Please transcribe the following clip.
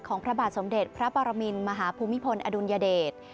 พระบาทสมเด็จพระปรมินมหาภูมิพลอดุลยเดช